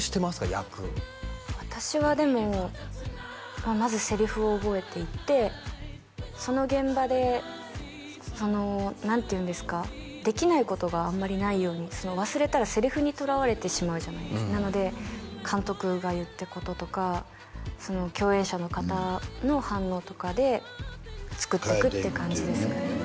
役私はでもまずセリフを覚えていってその現場でその何ていうんですかできないことがあんまりないように忘れたらセリフにとらわれてしまうじゃないですかなので監督が言ってることとか共演者の方の反応とかで作ってくって感じですかね